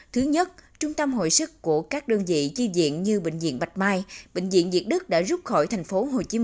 thứ nhất trung tâm hội sức của các đơn vị chi diện như bệnh viện bạch mai bệnh viện việt đức đã rút khỏi tp hcm